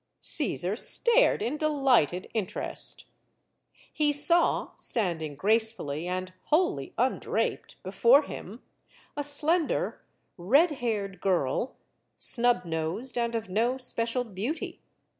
Caesar stared in delighted interest. He saw, standing gracefully and wholly undraped before him, a slender, red haired girl, snub nosed and of no special beauty.